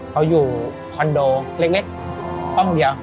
เขาอยู่คอนโดเล็กห้องเดียว